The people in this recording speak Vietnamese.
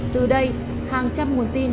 từ đây hàng trăm nguồn tin